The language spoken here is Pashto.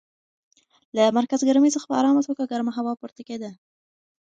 له مرکز ګرمۍ څخه په ارامه توګه ګرمه هوا پورته کېده.